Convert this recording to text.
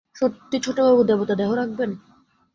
সত্যি ছোটবাবু, দেবতা দেহ রাখবেন?